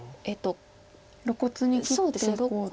露骨に切っていこうと。